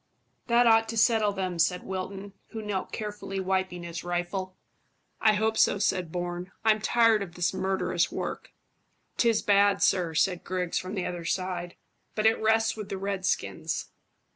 "That ought to settle them," said Wilton, who knelt carefully wiping his rifle. "I hope so," said Bourne. "I'm tired of this murderous work." "'Tis bad, sir," said Griggs, from the other side; "but it rests with the redskins."